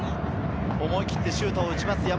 思い切ってシュートを打ちます。